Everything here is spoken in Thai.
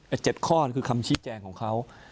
๗ข้อคือคำชี้แจงของเขา